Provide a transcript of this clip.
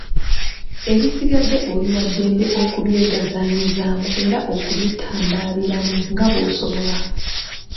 Ebisigadde oli wa ddembe okubyegazaanyizaamu era n’okubitabaaliramu nga bw’osobola.